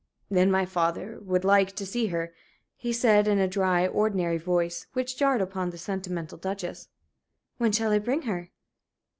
"Then my father would like to see her," he said, in a dry, ordinary voice, which jarred upon the sentimental Duchess. "When shall I bring her?"